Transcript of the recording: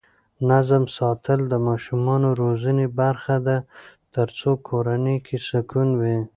نظم ساتل د ماشومانو روزنې برخه ده ترڅو کورنۍ کې سکون وي.